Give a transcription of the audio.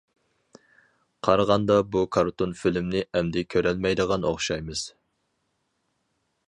قارىغاندا بۇ كارتون فىلىمنى ئەمدى كۆرەلمەيدىغان ئوخشايمىز!